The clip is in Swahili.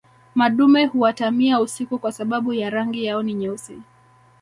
madume huatamia usiku kwa sababu ya rangi yao ni nyeusi